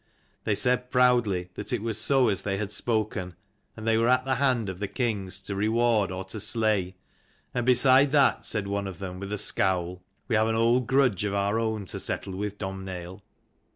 They said proudly that it was so as they had spoken, and they were in the hand of the kings to reward or to slay. "And beside that," said one of them with a scowl, " we have an old grudge of our own to settle with Domhnaill."